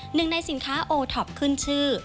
หนึ่งในสินค้าโอท็อปขึ้นชื่อ